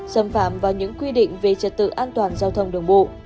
xâm phạm vào những quy định về trật tự an toàn giao thông đường bộ